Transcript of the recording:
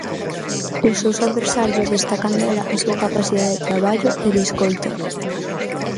Os seus adversarios destacan dela a súa capacidade de traballo e de escoita.